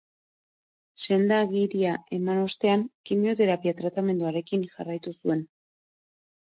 Senda-agiria eman ostean, kimioterapia tratamenduarekin jarraitu zuen.